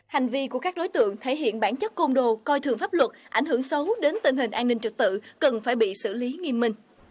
hành vi của các đối tượng thể hiện bản chất côn đồ coi thường pháp luật ảnh hưởng xấu đến tình hình an ninh trật tự cần phải bị xử lý nghiêm minh